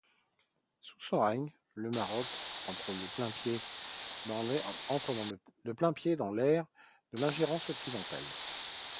Sous son règne, le Maroc entre de plain-pied dans l'ère de l'ingérence occidentale.